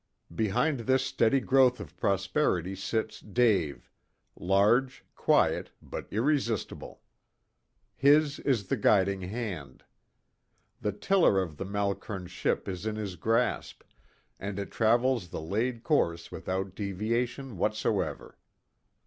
Behind this steady growth of prosperity sits Dave, large, quiet, but irresistible. His is the guiding hand. The tiller of the Malkern ship is in his grasp, and it travels the laid course without deviation whatsoever.